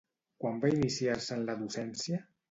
Quan va iniciar-se en la docència?